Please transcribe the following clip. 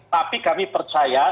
tapi kami percaya